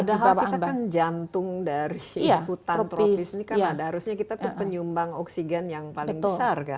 padahal kita kan jantung dari hutan tropis ini kan ada harusnya kita tuh penyumbang oksigen yang paling besar kan